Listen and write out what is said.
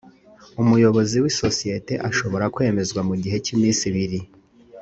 umuyobozi w’isosiyete ashobora kwemezwa mu gihe cy’iminsi ibiri